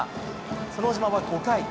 その小島は５回。